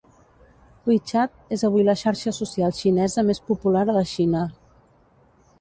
WeChat és avui la xarxa social xinesa més popular a la Xina.